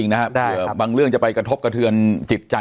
สวัสดีครับทุกผู้ชม